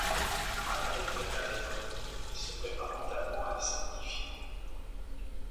Avant d'écrire l'un des Noms, il se prépare mentalement à les sanctifier.